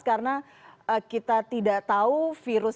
karena kita tidak tahu virusnya